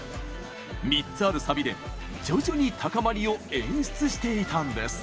３つあるサビで徐々に高まりを演出していたんです。